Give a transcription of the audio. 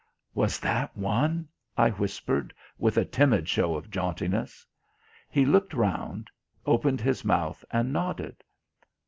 "Was that one?" I whispered, with a timid show of jauntiness. He looked round, opened his mouth, and nodded.